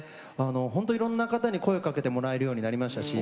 いろんな方に声をかけていただけるようになりました。